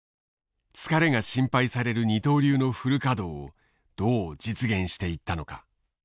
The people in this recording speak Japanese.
疲れが心配される二刀流のフル稼働をどう実現していったのか。